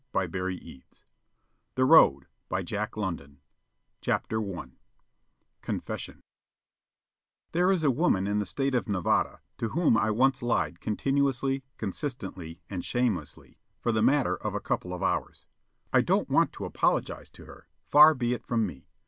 Sestina of the Tramp Royal CONFESSION There is a woman in the state of Nevada to whom I once lied continuously, consistently, and shamelessly, for the matter of a couple of hours. I don't want to apologize to her. Far be it from me.